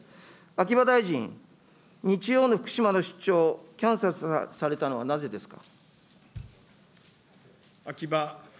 秋葉大臣、日曜の福島の出張、キャンセルされたのはなぜですか。